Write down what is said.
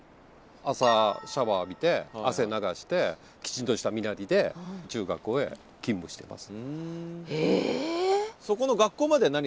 朝シャワー浴びて汗流してきちんとした身なりで中学校へ勤務してます。